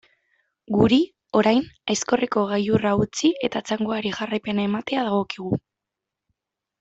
Guri, orain, Aizkorriko gailurra utzi eta txangoari jarraipena ematea dagokigu.